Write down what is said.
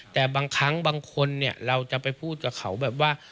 แต่บางครั้งบางคนเนี่ยเราจะไปพูดกับเขาแบบว่า